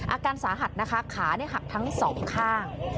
อาการสาหัสนะคะขาหักทั้งสองข้าง